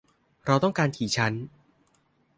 เราต้องการกี่ชั้น ?